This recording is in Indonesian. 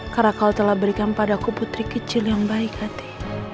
karena kau telah berikan padaku putri kecil yang baik hati